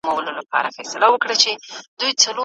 د هېواد بهرنی پالیسي د سولي ملاتړ نه کوي.